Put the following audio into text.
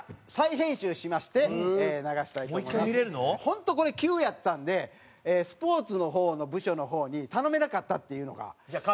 本当これ急やったんでスポーツの方の部署の方に頼めなかったっていうのが。